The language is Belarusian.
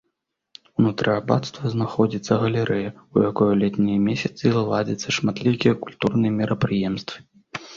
Унутры абацтва знаходзіцца галерэя, у якой у летнія месяцы ладзяцца шматлікія культурныя мерапрыемствы.